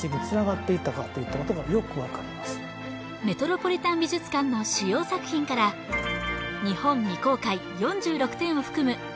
メトロポリタン美術館の主要作品から日本未公開４６点を含む